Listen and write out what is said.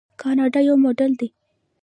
کاناډا یو موډل دی.